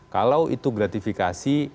kalau itu gratifikasi